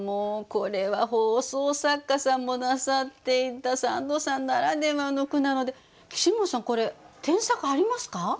これは放送作家さんもなさっていた三度さんならではの句なので岸本さんこれ添削ありますか？